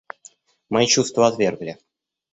Мои чувства отвергли.